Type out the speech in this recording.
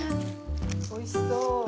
おいしそう。